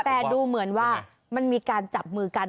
แต่ดูเหมือนว่ามันมีการจับมือกัน